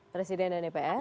presiden dan epr